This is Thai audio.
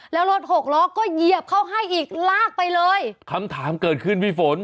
แล้วรถหกล้อก็เหยียบเข้าให้อีกลากไปเลยคำถามเกิดขึ้นพี่ฝน